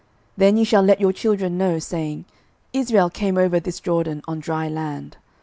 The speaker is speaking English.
06:004:022 Then ye shall let your children know, saying, Israel came over this Jordan on dry land.